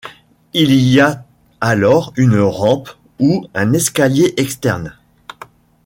Il y a alors une rampe ou un escalier externe.